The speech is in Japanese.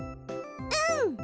うん！